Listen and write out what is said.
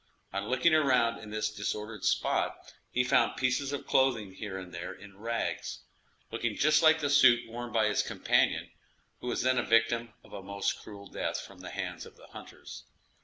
On looking around in this disordered spot, he found pieces of clothing here and there in rags, looking just like the suit worn by his companion, who was then a victim of a most cruel death from the hands of the hunters.